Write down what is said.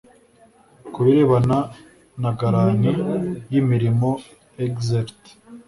ku birebana na garanti y imirimo exert